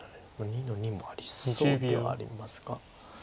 ２の二もありそうではありますが。